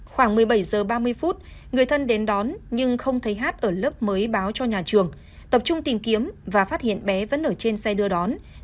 khoảng một mươi bảy h ba mươi phút người thân đến đón nhưng không thấy hát ở lớp mới báo cho nhà trường tập trung tìm kiếm và phát hiện bé vẫn ở trên xe đưa đón